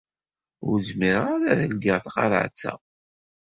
Ur zmireɣ ara ad ldiɣ taqerɛet-a.